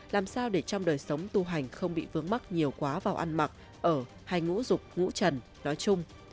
làm sao để trong đời sống tu hành không bị vướng mắt nhiều quá vào ăn mặc ở hay ngũ dục ngũ trần nói chung